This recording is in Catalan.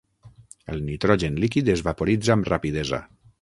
El nitrogen líquid es vaporitza amb rapidesa.